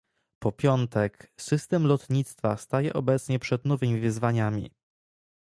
Po piątek, system lotnictwa staje obecnie przed nowymi wyzwaniami